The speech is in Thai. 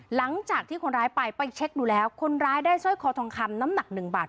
หลังจากที่คนร้ายไปไปเช็คดูแล้วคนร้ายได้สร้อยคอทองคำน้ำหนักหนึ่งบาท